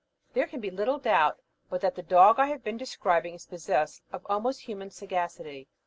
There can be little doubt but that the dog I have been describing is possessed of almost human sagacity.